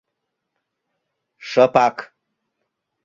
Шыпак.